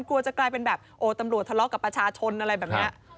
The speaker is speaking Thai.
กลัวจะกลายเป็นแบบโอ้ตำรวจทะเลาะกับประชาชนอะไรแบบนี้